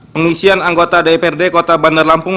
pengisian anggota dprd kota bandar lampung